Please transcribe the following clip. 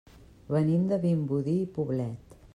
Venim de Vimbodí i Poblet.